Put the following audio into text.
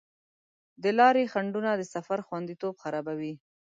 د لارې خنډونه د سفر خوندیتوب خرابوي.